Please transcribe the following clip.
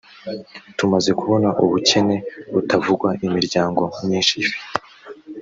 tumaze kubona ubukene butavugwa imiryango myinshi ifite